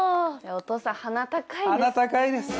お父さん鼻高いですね